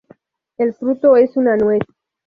El fruto es una nuez.